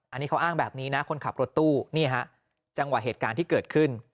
อันนี้เขาอ้างแบบนี้นะคนขับรถตู้นี่ฮะจังหวะเหตุการณ์ที่เกิดขึ้น